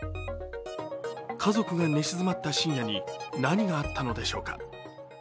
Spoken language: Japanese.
家族が寝静まった深夜に何があったのでしょうか。